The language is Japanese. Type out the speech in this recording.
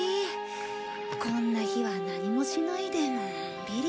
こんな日は何もしないでのんびり。